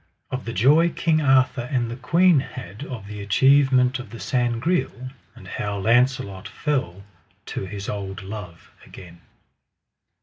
Of the joy King Arthur and the queen had of the achievement of the Sangreal; and how Launcelot fell to his old love again.